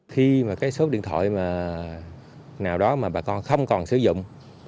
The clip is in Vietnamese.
khi mà cái số điện thoại mà nào đó mà bà con không còn sử dụng